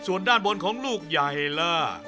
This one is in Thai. ส่วนด้านบนของลูกใหญ่ล่ะ